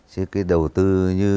chứ cái đầu tư như